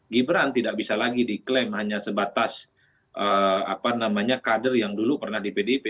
gibran tidak bisa lagi diklaim hanya sebatas kader yang dulu pernah di pdip